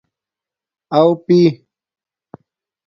اݸ پی